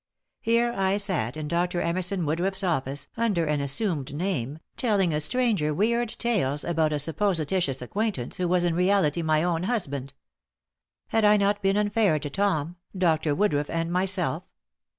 Here I sat in Dr. Emerson Woodruff's office, under an assumed name, telling a stranger weird tales about a supposititious acquaintance who was in reality my own husband. Had I not been unfair to Tom, Dr. Woodruff and myself?